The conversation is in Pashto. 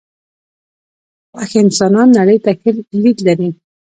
خوښ انسانان نړۍ ته ښه لید لري .